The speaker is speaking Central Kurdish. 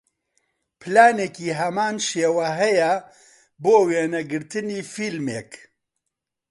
پلانێکی هەمان شێوە هەیە بۆ وێنەگرتنی فیلمێک